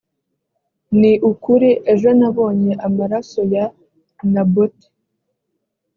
ni ukuri ejo nabonye amaraso ya naboti